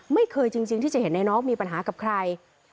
จริงที่จะเห็นในน้องมีปัญหากับใคร